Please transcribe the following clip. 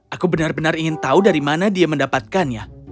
aku benar benar ingin tahu dari mana dia mendapatkannya